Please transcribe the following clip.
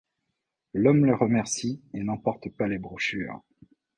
L'homme le remercie et n'emporte pas les brochures.